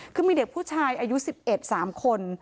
คือมีเด็กผู้ชายอายุ๑๑๓คน